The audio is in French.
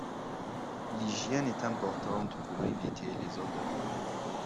L'hygiène est importante pour éviter les odeurs.